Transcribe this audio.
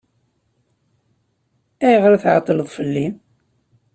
Ayɣer i tɛeṭṭleḍ fell-i?